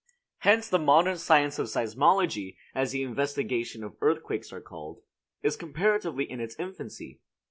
Hence the modern science of seismology, as the investigations of earthquakes are called, is comparatively in its infancy.